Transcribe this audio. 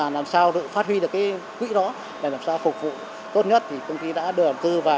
làm sao được phát huy được cái quỹ đó làm sao phục vụ tốt nhất thì công ty đã đưa tư và